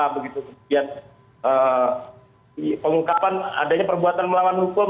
begitu kemudian pengungkapan adanya perbuatan melawan hukum